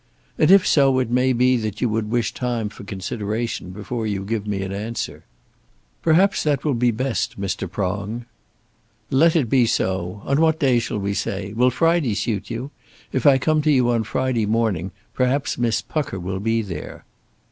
"And if so, it may be that you would wish time for consideration before you give me an answer." "Perhaps that will be best, Mr. Prong." "Let it be so. On what day shall we say? Will Friday suit you? If I come to you on Friday morning, perhaps Miss Pucker will be there."